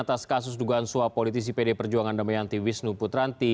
atas kasus dugaan suap politisi pd perjuangan damayanti wisnu putranti